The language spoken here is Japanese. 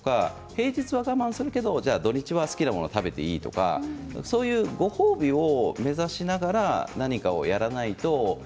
平日は我慢するけど土日は好きなものを食べていいとかそういうご褒美を目指しながら何かをやらないと。